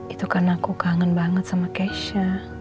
itu karena aku kangen banget sama keisha